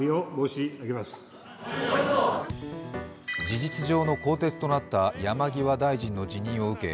事実上の更迭となった山際大臣の辞任を受け